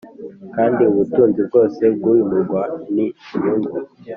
Kandi ubutunzi bwose bw uyu murwa n inyungu